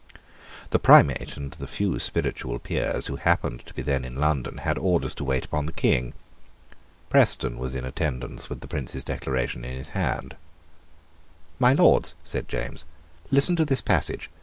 The Primate and the few Spiritual Peers who happened to be then in London had orders to wait upon the King. Preston was in attendance with the Prince's Declaration in his hand. "My Lords," said James, "listen to this passage.